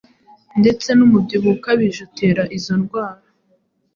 ndetse n’umubyibuho ukabije uteza izo ndwara